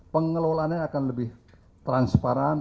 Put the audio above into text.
pengelolaannya akan lebih transparan